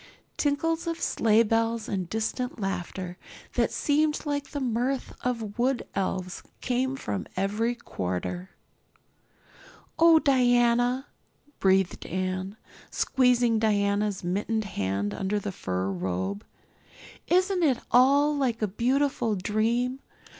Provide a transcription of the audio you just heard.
Tinkles of sleigh bells and distant laughter, that seemed like the mirth of wood elves, came from every quarter. "Oh, Diana," breathed Anne, squeezing Diana's mittened hand under the fur robe, "isn't it all like a beautiful dream?